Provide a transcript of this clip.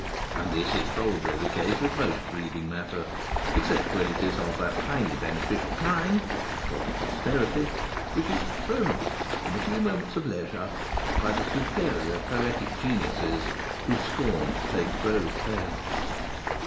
And this is probably the case with most reading matter, except when it is of that highly beneficial kind (for Posterity) which is "thrown off in a few moments of leisure" by the superior poetic geniuses who scorn to take prose pains.